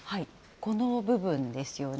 この部分ですよね。